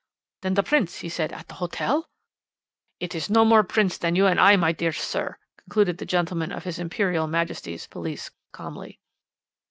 "'Then that Prince,' he said, 'at the hotel ' "'Is no more Prince than you and I, my dear sir,' concluded the gentleman of His Imperial Majesty's police calmly.